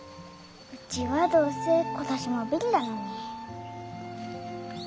うちはどうせ今年もビリだのに。